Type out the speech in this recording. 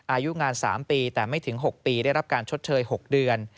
อายุงาน๓ปีแต่ไม่ถึง๖ปีได้รับการชดเชย๖เดือน